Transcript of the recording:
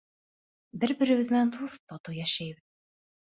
Бер-беребеҙ менән дуҫ, татыу йәшәйбеҙ.